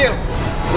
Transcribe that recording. hei anak jil